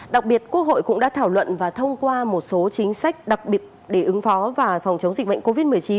đặc biệt quốc hội cũng đã thảo luận và thông qua một số chính sách đặc biệt để ứng phó và phòng chống dịch bệnh covid một mươi chín